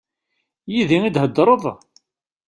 Yid-i i d-theddreḍ?